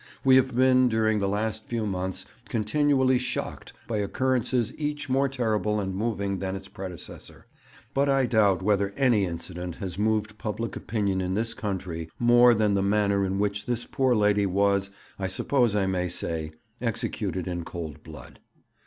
We have been during the last few months continually shocked by occurrences each more terrible and moving than its predecessor; but I doubt whether any incident has moved public opinion in this country more than the manner in which this poor lady was, I suppose I may say, executed in cold blood.